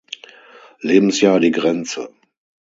Lebensjahr die Grenze.